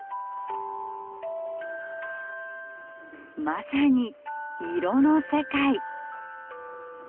まさに色の世界。